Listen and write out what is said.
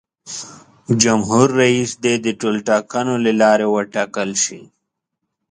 جمهور رئیس دې د ټولټاکنو له لارې وټاکل شي.